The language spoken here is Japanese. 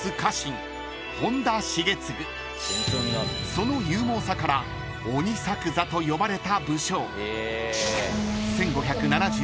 ［その勇猛さから鬼作左と呼ばれた武将］